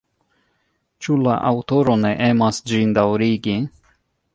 Ĉu la aŭtoro ne emas ĝin daŭrigi?